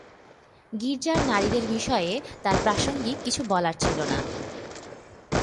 গির্জার নারীদের বিষয়ে তার প্রাসঙ্গিক কিছু বলার ছিল না।